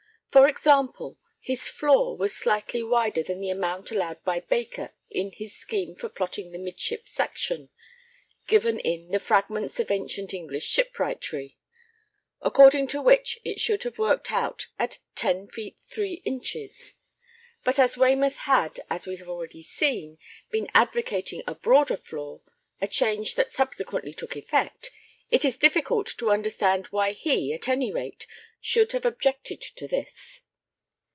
For example, his floor was slightly wider than the amount allowed by Baker in his scheme for plotting the midship section, given in the 'Fragments of Ancient English Shipwrightry,' according to which it should have worked out at 10 feet 3 inches; but as Waymouth had, as we have already seen, been advocating a broader floor, a change that subsequently took effect, it is difficult to understand why he, at any rate, should have objected to this.